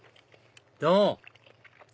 どう？